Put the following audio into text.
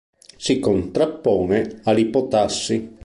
Si contrappone all'ipotassi.